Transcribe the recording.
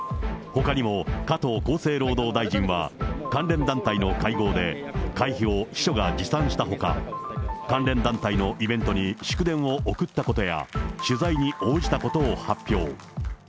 ほかにも加藤厚生労働大臣は、関連団体の会合で、会費を秘書が持参したほか、関連団体のイベントに祝電を送ったことや、取材に応じたことを発表。